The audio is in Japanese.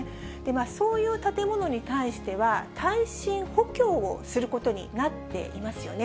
そういう建物に対しては、耐震補強をすることになっていますよね。